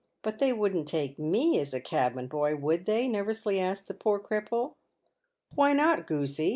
" But they wouldn't take me as a cabin boy, would they ?" ner vously asked the poor cripple. " Why not, Groosey